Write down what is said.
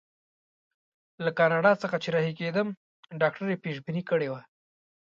له کاناډا څخه چې رهي کېدم ډاکټر یې پېشبیني کړې وه.